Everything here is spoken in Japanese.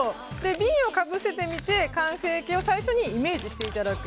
瓶をかぶせてみて、完成形を最初にイメージしていただく。